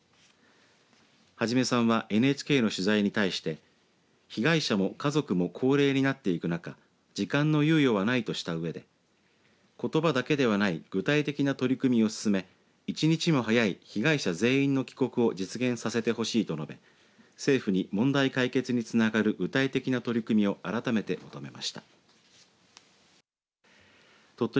孟さんはＮＨＫの取材に対して被害者も家族も高齢になっていく中時間の猶予はないとしたうえでことばだけではない具体的な取り組みを進め１日も早い被害者全員の帰国を実現させてほしいと述べ政府に問題解決につながる具体的な取り組みを改めて求めました。